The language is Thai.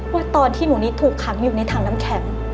ว่าตอนที่หนูนี้ถูกขังอยู่ในถังน้ำแข็ง